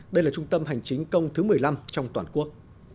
đây là trung tâm hành chính công thứ một mươi năm trong toàn quốc